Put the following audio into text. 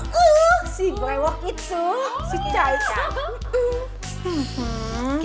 tuh si brewok itu si caca